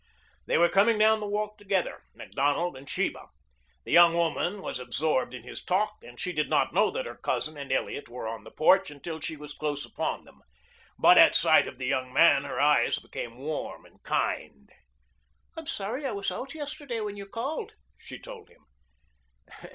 They were coming down the walk together, Macdonald and Sheba. The young woman was absorbed in his talk, and she did not know that her cousin and Elliot were on the porch until she was close upon them. But at sight of the young man her eyes became warm and kind. "I'm sorry I was out yesterday when you called," she told him.